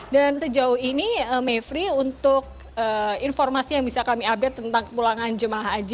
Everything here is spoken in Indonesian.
dan sejauh ini mevri untuk informasi yang bisa kami update tentang kemulangan jemaah haji